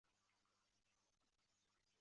林德尔恩是德国下萨克森州的一个市镇。